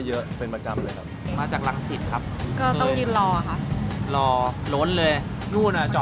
วันแรกที่มาค่ายดีเลย